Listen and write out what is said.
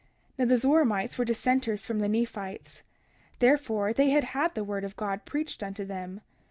31:8 Now the Zoramites were dissenters from the Nephites; therefore they had had the word of God preached unto them.